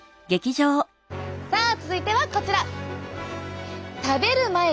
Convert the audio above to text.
さあ続いてはこちら！